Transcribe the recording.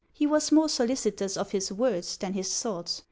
He was more solicitous of his words than his thoughts.